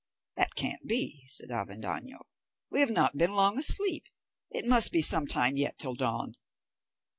"That can't be," said Avendaño; "we have not been long asleep. It must be some time yet till dawn."